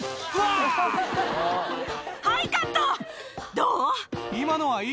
どう？